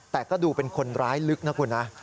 แต่ก็ดูเป็นคนร้ายลึกนะคุณนะ